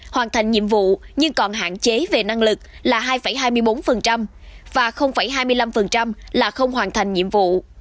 hoàn thành nhiệm vụ nhưng còn hạn chế về năng lực là hai hai mươi bốn và hai mươi năm là không hoàn thành nhiệm vụ